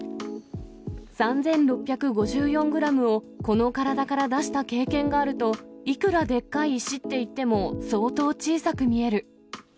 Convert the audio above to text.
３６５４グラムをこの体から出した経験があると、いくらでっかい石っていっても、相当小さく見える。